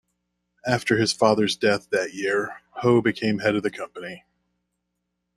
After his father's death that year, Hoe became head of the company.